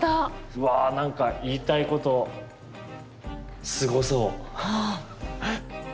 うわなんか言いたいことすごそう。